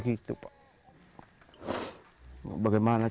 kita tahu takdir terhadap imagining